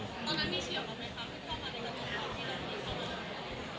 ตอนนั้นพี่เฉียบเขาไหมครับคือเข้ามาในกระจกเขาที่เรากินเข้าเวิร์ด